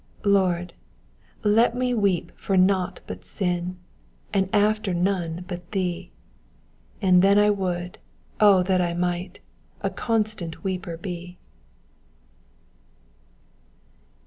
*' Lord, let me weep for nought but sin, And after none but tbee. And then I would, O that I might t A constant weeper be."